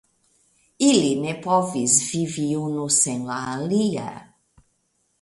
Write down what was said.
Ili ne povis vivi unu sen la alia.